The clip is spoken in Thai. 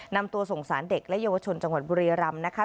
นำตัวส่งสารเด็กและเยาวชนจังหวัดบุรียรำนะคะ